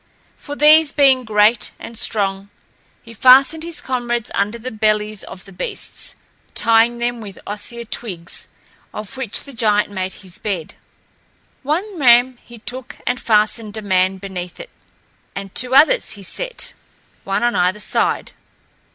For, these being great and strong, he fastened his comrades under the bellies of the beasts, tying them with osier twigs, of which the giant made his bed. One ram he took and fastened a man beneath it, and two others he set, one on either side.